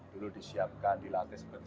dulu disiapkan dilatih seperti